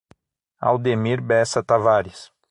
Aldemir Bessa Tavares